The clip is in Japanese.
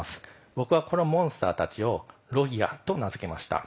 僕はこのモンスターたちを「ロギア」と名付けました。